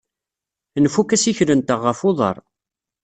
Nfuk assikel-nteɣ ɣef uḍar.